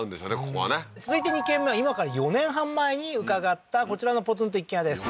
ここはね続いて２軒目は今から４年半前に伺ったこちらのポツンと一軒家です